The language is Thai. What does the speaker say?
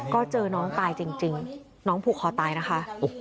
ก็เจอน้องตายจริงน้องผูกคอตายนะคะ